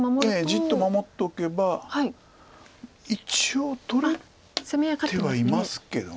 じっと守っとけば一応取れてはいますけど。